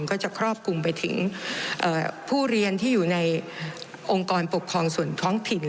ก็จะครอบคลุมไปถึงผู้เรียนที่อยู่ในองค์กรปกครองส่วนท้องถิ่น